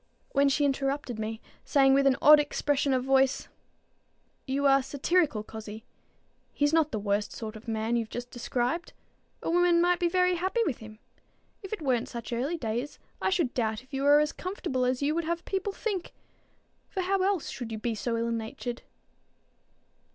when she interrupted me, saying with an odd expression of voice, "You are satirical, cozzie. He's not the worst sort of man you've just described. A woman might be very happy with him. If it weren't such early days, I should doubt if you were as comfortable as you would have people think; for how else should you be so ill natured?"